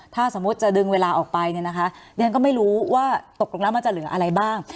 ถ้าสมมุติจะดึงเวลาออกไปเนี่ยนะคะเรียนก็ไม่รู้ว่าตกลงแล้วมันจะเหลืออะไรบ้าง